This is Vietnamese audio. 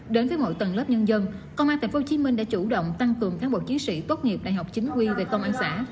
đến với mọi tầng lớp nhân dân công an tp hcm đã chủ động tăng cường cán bộ chiến sĩ tốt nghiệp đại học chính quy về công an xã